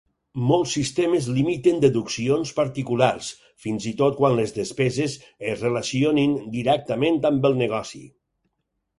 Molts sistemes limiten deduccions particulars, fins i tot quan les despeses es relacionin directament amb el negoci.